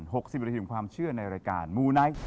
หกสิบนาทีของความเชื่อในรายการมูไนท์